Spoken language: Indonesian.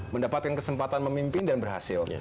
mendapatkan kesempatan memimpin dan berhasil